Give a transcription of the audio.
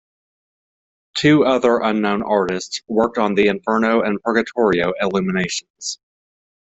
Two other unknown artists worked on the "Inferno" and "Purgatorio" illuminations.